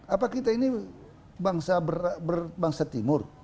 apa kita ini bangsa timur